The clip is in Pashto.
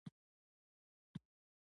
خو چینی چېرته غلی کېده په غوسه و پرې.